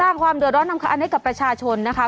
ตั้งความเดือดร้อนทำความอันให้กับประชาชนนะคะ